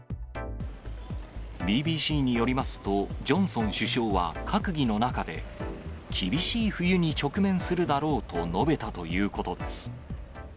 ＢＢＣによりますと、ジョンソン首相は閣議の中で、厳しい冬に直面するだろうと述べたということです。